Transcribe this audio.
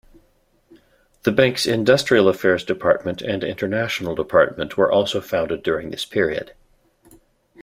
The bank's industrial affairs department and international department were also founded during this period.